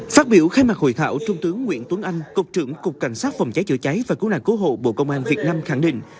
phát biểu khai mạc hội thảo trung tướng nguyễn tuấn anh cục trưởng cục cảnh sát phòng cháy chữa cháy và cứu nạn cứu hộ bộ công an việt nam khẳng định